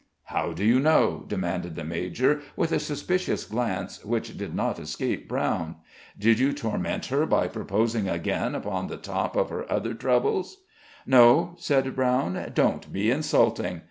"How do you know?" demanded the major, with a suspicious glance, which did not escape Brown. "Did you torment her by proposing again upon the top of her other troubles?" "No," said Brown; "don't be insulting.